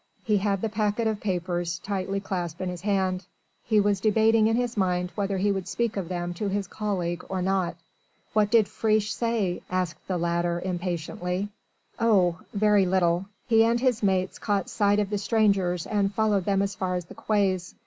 He had the packet of papers tightly clasped in his hand. He was debating in his mind whether he would speak of them to his colleague or not. "What did Friche say?" asked the latter impatiently. "Oh! very little. He and his mates caught sight of the strangers and followed them as far as the quays.